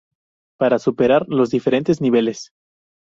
Para superar los diferentes niveles.